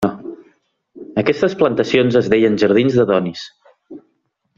Aquestes plantacions es deien jardins d'Adonis.